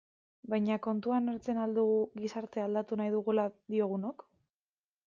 Baina kontuan hartzen al dugu gizartea aldatu nahi dugula diogunok?